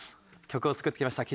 曲を作ってきました。